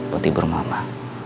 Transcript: buat hibur mama